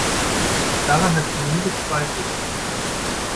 Daran hat sie nie gezweifelt.